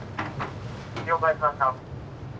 「了解しました」。